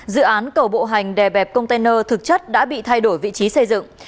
dự án cầu bộ hành đè bẹp container thực chất đã bị thay đổi vị trí xây dựng